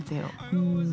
うん。